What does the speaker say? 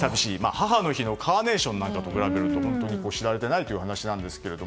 母の日のカーネーションと比べて本当に知られていないという話なんですが。